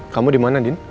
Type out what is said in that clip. kamu dimana din